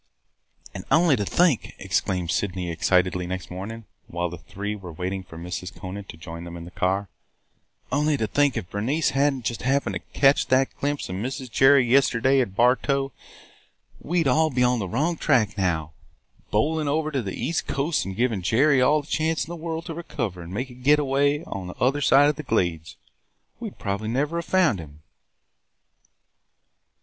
"And only to think," exclaimed Sydney excitedly next morning, while the three were waiting for Mrs. Conant to join them in the car, – "only to think, if Bernice had n't just happened to catch that glimpse of Mrs. Jerry yesterday at Bartow, we 'd be all on the wrong track now, bowling over to the east coast and giving Jerry all the chance in the world to recover and make a get away into the other side of the Glades! We 'd probably never have found him!"